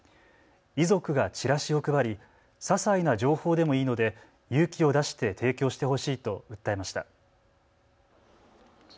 遺族がチラシを配りささいな情報でもいいので勇気を出して提供してほしいと訴えました。